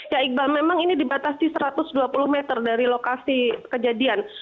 ya iqbal memang ini dibatasi satu ratus dua puluh meter dari lokasi kejadian